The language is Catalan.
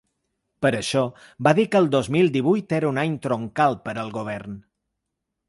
Per això, va dir que el dos mil divuit era un ‘any troncal’ per al govern.